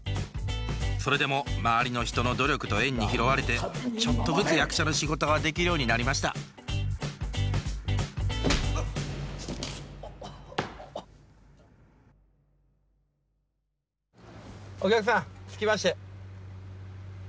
それでも周りの人の努力と縁に拾われてちょっとずつ役者の仕事ができるようになりましたお客さん着きましたよ。